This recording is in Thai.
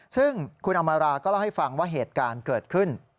ซึ่งคุณอำมาราก็เล่าให้ฟังว่าเหตุการณ์เกิดขึ้น